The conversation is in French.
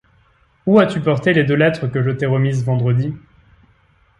Où as-tu porté les deux lettres que je t’ai remises vendredi?